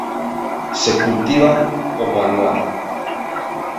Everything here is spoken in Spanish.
Se cultiva como anual.